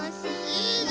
いいね。